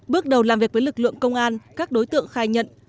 bước đầu làm việc với lực lượng công an các đối tượng khai nhận